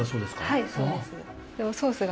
はいそうです。